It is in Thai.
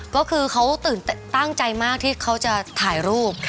ก็คือเขาตื่นตั้งใจมากที่เขาจะถ่ายรูป